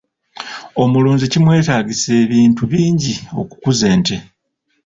Omulunzi kimweetaagisa ebintu bingi okukuza ente.